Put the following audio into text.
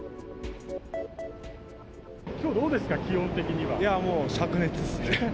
きょう、どうですか、いやもう、しゃく熱っすね。